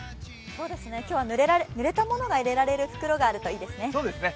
今日はぬれたものが入れられる袋があるといいですね。